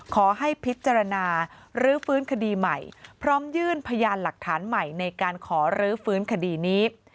ขอให้พิจารณารื้อฟื้นคดีใหม่พร้อมยื่นพยานหลักฐานใหม่ในการขอรื้อฟื้นคดีนี้